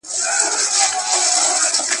د اوبو کمښت د انرژۍ د کمښت پټ لامل دی.